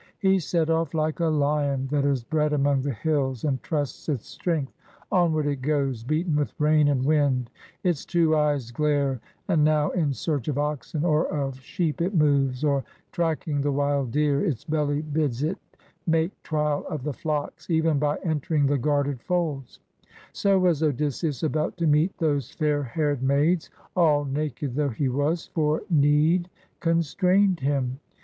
He set off like a lion that is bred among the hills and trusts its strength; onward it goes, beaten with rain and wind; its two eyes glare; and now in search of oxen or of sheep it moves, or tracking the wild deer; its belly bids it make trial of the flocks, even by entering the guarded folds ; so was Odysseus about to meet those fair haired maids, all naked though he was, for need con strained him.